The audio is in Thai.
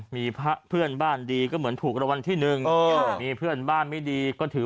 มีเพื่อนบ้านดีก็เหมือนถูกรางวัลที่หนึ่งมีเพื่อนบ้านไม่ดีก็ถือ